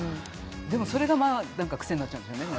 でも、それが癖になっちゃうんでしょうね。